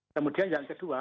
kemudian yang kedua